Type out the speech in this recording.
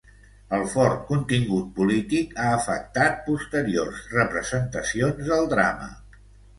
El fort contingut polític ha afectat posteriors representacions del drama.